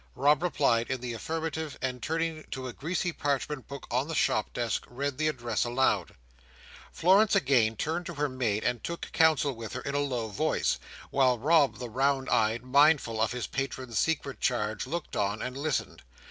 Rob replied in the affirmative, and turning to a greasy parchment book on the shop desk, read the address aloud. Florence again turned to her maid and took counsel with her in a low voice, while Rob the round eyed, mindful of his patron's secret charge, looked on and listened.